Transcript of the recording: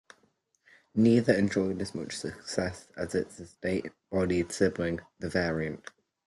Neither enjoyed as much success as its estate-bodied sibling, the Variant.